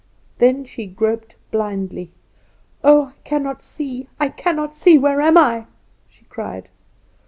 Then she groped blindly. "Oh, I cannot see! I cannot see! Where am I?" she cried.